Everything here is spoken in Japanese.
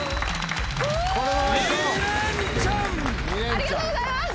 ありがとうございます！